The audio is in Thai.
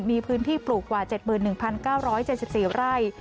มีพื้นที่ปลูกกว่า๗๑๙๗๔ไร่